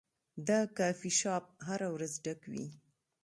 دا کافي شاپ هره ورځ ډک وي.